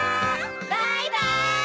バイバイ！